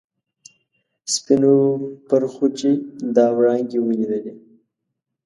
سپینو پرخو چې دا وړانګې ولیدلي.